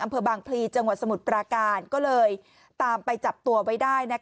อำเภอบางพลีจังหวัดสมุทรปราการก็เลยตามไปจับตัวไว้ได้